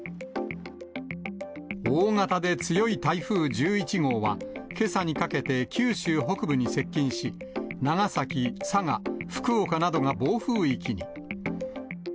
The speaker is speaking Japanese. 大型で強い台風１１号は、けさにかけて九州北部に接近し、長崎、佐賀、福岡などが暴風域に。